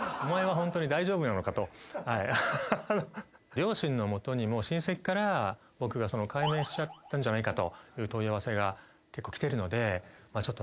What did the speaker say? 両親の元にも親戚から僕が改名しちゃったんじゃないかという問い合わせが結構来てるのでちょっとね。